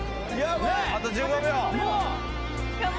・あと１５秒！